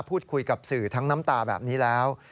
พูดคุยกับสื่อทั้งน้ำตาแบบนี้แล้ว